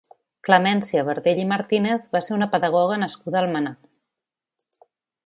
Clemència Berdiell i Martínez va ser una pedagoga nascuda a Almenar.